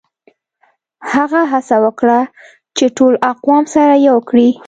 هغه هڅه وکړه چي ټول اقوام سره يو کړي.